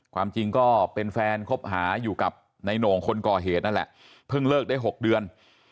ความจริงก็เป็นแฟนคบหาอยู่กับในโหน่งคนก่อเหตุนั่นแหละเพิ่งเลิกได้๖เดือน